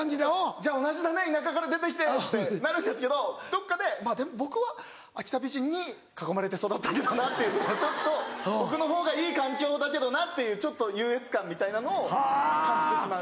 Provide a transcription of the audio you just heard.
「じゃあ同じだね田舎から出て来て」ってなるんですけどどっかででも僕は秋田美人に囲まれて育ったけどなっていうちょっと僕のほうがいい環境だけどなっていうちょっと優越感みたいなのを感じてしまう。